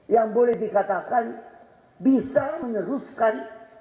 yang boleh dikatakan bisa meneruskan